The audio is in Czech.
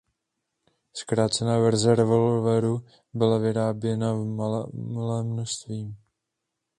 Zkrácená verze revolveru byla vyráběná v malém množství.